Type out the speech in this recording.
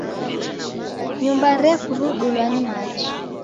Nyumba rekurudulwa ni machi.